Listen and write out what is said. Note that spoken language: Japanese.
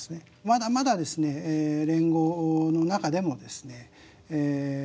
まだまだですねええ連合の中でもですね